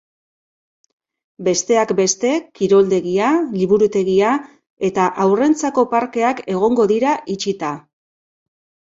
Besteak beste, kiroldegia, liburutegia eta haurrentzako parkeak egongo dira itxita.